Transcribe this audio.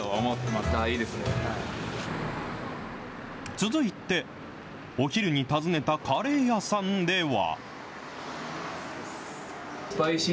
続いて、お昼に訪ねたカレー屋さんでは。